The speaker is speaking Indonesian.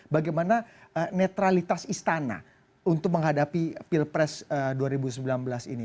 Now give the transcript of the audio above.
bagaimana netralitas istana untuk menghadapi pilpres dua ribu sembilan belas ini